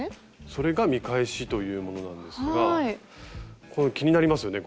それが見返しというものなんですが気になりますよね